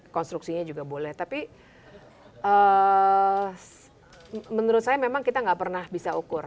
konstruksinya juga boleh tapi menurut saya memang kita nggak pernah bisa ukur